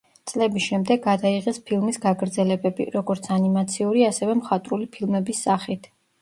წლების შემდეგ გადაიღეს ფილმის გაგრძელებები, როგორც ანიმაციური, ასევე მხატვრული ფილმების სახით.